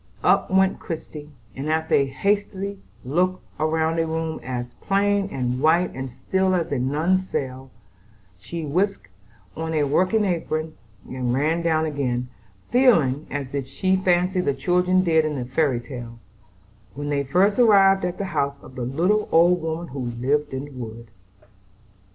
Up went Christie, and after a hasty look round a room as plain and white and still as a nun's cell, she whisked on a working apron and ran down again, feeling, as she fancied the children did in the fairy tale, when they first arrived at the house of the little old woman who lived in the wood.